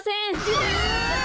うわ！